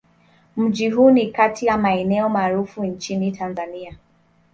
Mji huu ni kati ya maeneo maarufu nchini Tanzania.